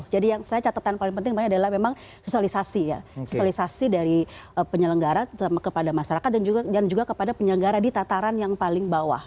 yang saya catatan paling penting adalah memang sosialisasi ya sosialisasi dari penyelenggara kepada masyarakat dan juga kepada penyelenggara di tataran yang paling bawah